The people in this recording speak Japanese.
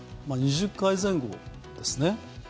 ２０回前後ですね。